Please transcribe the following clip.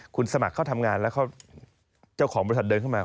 คุณสมัครเข้าทำงานแล้วเจ้าของบริษัทเดินเข้ามา